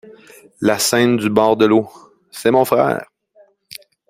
La scène du bord de l’eau. — C’est mon frère!